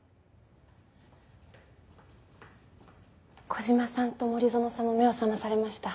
小島さんと森園さんも目を覚まされました。